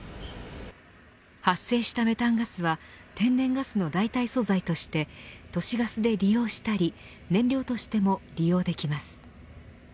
発生したメタンガスは天然ガスの代替素材として都市ガスで利用したり燃料としても利用できます。